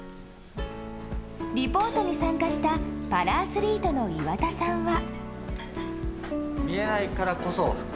リポートに参加したパラアスリートの岩田さんは。